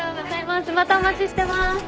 またお待ちしてます。